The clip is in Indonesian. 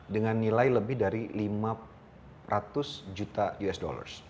dengan nilai lebih dari lima ratus juta usd